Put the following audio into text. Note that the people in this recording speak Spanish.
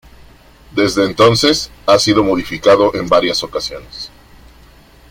Desde entonces, ha sido modificado en varias ocasiones.